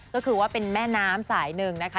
ก็คือว่าเป็นแม่น้ำสายหนึ่งนะคะ